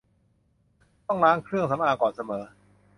ต้องล้างเครื่องสำอางก่อนเสมอ